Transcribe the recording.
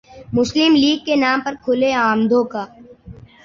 مسلم لیگ کے نام پر کھلے عام دھوکہ ۔